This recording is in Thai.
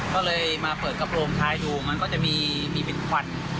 ก็เลยมาเปิดกระโปรงท้ายดูมันก็จะมีเป็นควัน